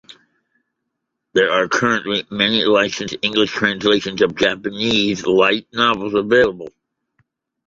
There are currently many licensed English translations of Japanese light novels available.